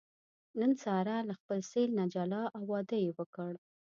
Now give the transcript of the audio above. نن ساره له خپل سېل نه جلا او واده یې وکړ.